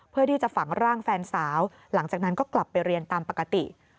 เพื่อที่จะฝังร่างแฟนสาวหลังจากนั้นก็กลับไปเรียนตามปกติ